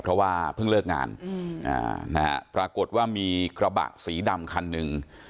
เพราะว่าเพิ่งเลิกงานปรากฏว่ามีกระบะสีดำคันหนึ่ง